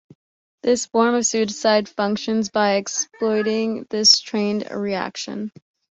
This form of suicide functions by exploiting this trained reaction.